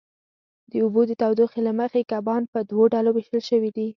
د اوبو د تودوخې له مخې کبان په دوو ډلو وېشل شوي دي.